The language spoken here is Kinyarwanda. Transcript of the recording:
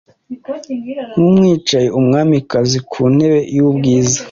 Nkumwicaye Umwamikazi ku ntebe yubwiza,